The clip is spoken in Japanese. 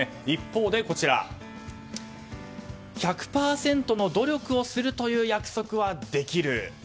一方で、１００％の努力をするという約束はできる。